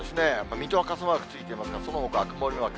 水戸は傘マークついていますが、そのほかは曇りマーク。